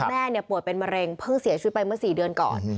แม่ป่วยเป็นมะเร็งเพิ่งเสียชีวิตไปเมื่อ๔เดือนก่อน